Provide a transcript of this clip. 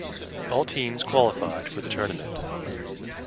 All teams qualified for the tournament.